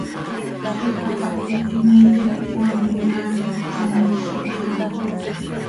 Ziix hapahit him iiye quih cmaam ihmaa quih cohsamoziti aha.